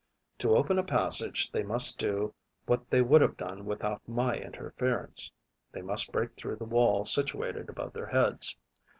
To open a passage, they must do what they would have done without my interference, they must break through the wall situated above their heads.